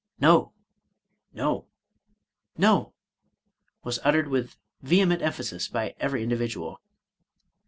no 1 no !" was uttered with vehe ment emphasis by every individual.